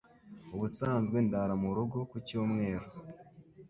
ubusanzwe, ndara murugo ku cyumweru.